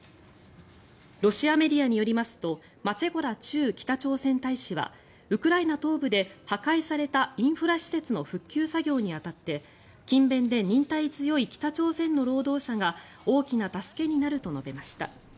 ロシアメディアによりますとマツェゴラ駐北朝鮮大使はウクライナ東部で破壊されたインフラ施設の復旧作業に当たって勤勉で忍耐強い北朝鮮の労働者が大きな助けになると述べました。